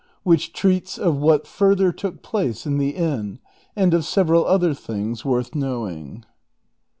WHICH TREATS OF WHAT FURTHER TOOK PLACE IN THE INN, AND OF SEVERAL OTHER THINGS WORTH KNOWING.